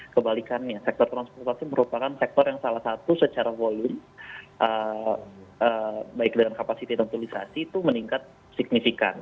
kebalikannya sektor transportasi merupakan sektor yang salah satu secara volume baik dengan kapasitas non tulistasi itu meningkat signifikan